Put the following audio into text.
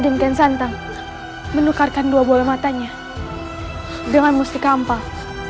raden ken santang menukarkan dua bola matanya dengan mustika ampal